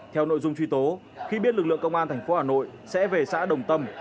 theo nội dung truy tố khi biết lực lượng công an tp hà nội sẽ về xã đồng tâm